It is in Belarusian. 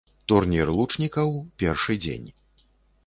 Турнір лучнікаў, першы дзень.